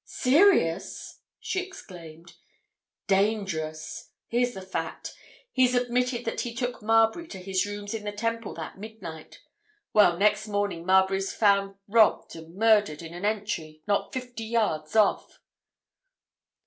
"Serious?" she exclaimed. "Dangerous! Here's the fact—he's admitted that he took Marbury to his rooms in the Temple that midnight. Well, next morning Marbury's found robbed and murdered in an entry, not fifty yards off!"